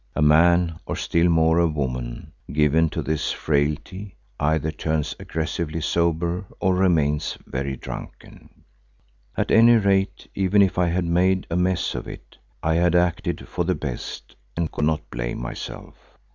A man, or still more a woman, given to this frailty either turns aggressively sober or remains very drunken. At any rate, even if I had made a mess of it, I had acted for the best and could not blame myself.